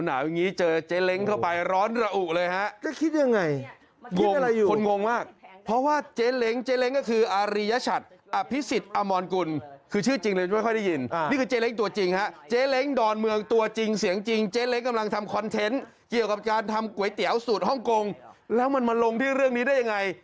แล้วมันมาลงที่เรื่องนี้ได้อย่างไร